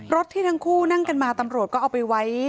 ที่ทั้งคู่นั่งกันมาตำรวจก็เอาไปไว้